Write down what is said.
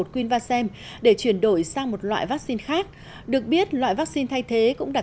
quynh vasem để chuyển đổi sang một loại vaccine khác được biết loại vaccine thay thế cũng đạt